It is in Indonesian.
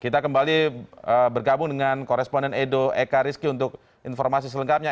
kita kembali bergabung dengan koresponden edo eka rizky untuk informasi selengkapnya